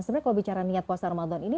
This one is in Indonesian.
sebenarnya kalau bicara niat puasa ramadan ini